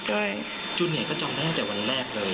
จูเนียก็จำได้จากวันแรกเลย